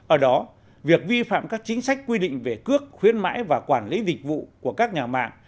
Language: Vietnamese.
ở đó việc vi phạm các chính sách quy định về cước khuyến mãi và quản lý dịch vụ của các nhà mạng